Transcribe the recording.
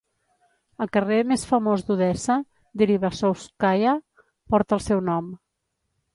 El carrer més famós d'Odessa, Deribasovskaya, porta el seu nom.